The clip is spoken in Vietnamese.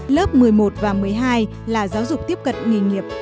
lớp một mươi một và một mươi hai là giáo dục tiếp cận nghề nghiệp